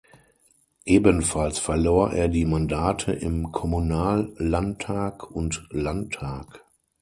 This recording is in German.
Ebenfalls verlor er die Mandate im Kommunallandtag und Landtag.